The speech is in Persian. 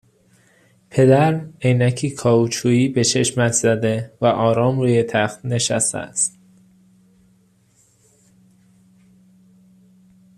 پدر عینکی کائوچویی به چشمش زده و آرام روی تخت نشسته است